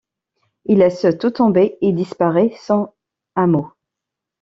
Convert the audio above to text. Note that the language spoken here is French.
Il laisse tout tomber, et disparait sans un mot.